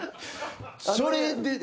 それで。